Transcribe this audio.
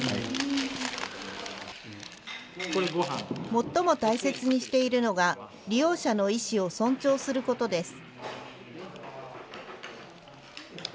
最も大切にしているのが、利用者の意思を尊重することです。